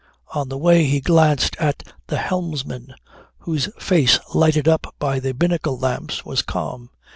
On the way he glanced at the helmsman whose face lighted up by the binnacle lamps was calm.